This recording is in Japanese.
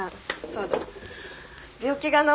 そうだな。